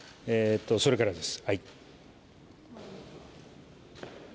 それからです。